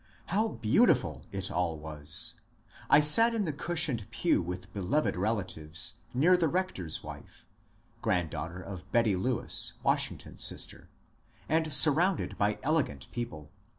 How beautiful it all was ! I sat in the cushioned pew with beloved relatives, near the rector's wife (granddaughter of Betty Lewis, Washington's sister), and surrounded by elegant people.